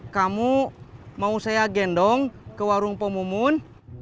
kamu mau saya gendong ke warung pemumun